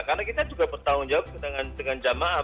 karena kita juga bertanggung jawab dengan jamaah